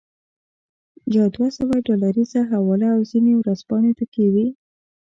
یوه دوه سوه ډالریزه حواله او ځینې ورځپاڼې پکې وې.